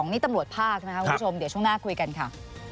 นี่ตำรวจภาคนะครับคุณผู้ชมเดี๋ยวช่วงหน้าคุยกันค่ะ